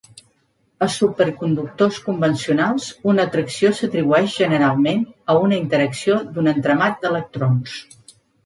A superconductors convencionals, una atracció s'atribueix generalment a una interacció d'un entramat d'electrons.